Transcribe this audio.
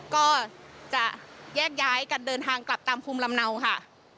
ก็จะแยกย้ายกันเดินทางกลับตามภูมิลำเนาค่ะ